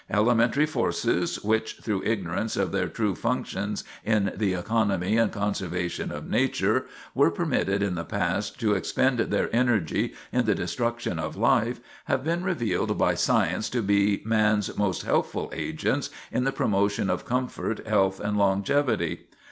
Elementary forces which, through ignorance of their true functions in the economy and conservation of nature, were permitted in the past to expend their energy in the destruction of life, have been revealed by science to be man's most helpful agents in the promotion of comfort, health, and longevity.